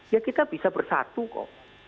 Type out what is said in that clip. ya kita bisa bersatu kok